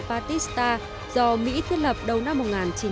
bautista do mỹ thiết lập đầu năm một nghìn chín trăm năm mươi hai